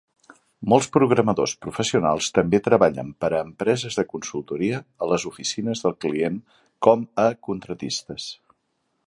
Molts programadors professionals també treballen per a empreses de consultoria a les oficines del client com a contractistes.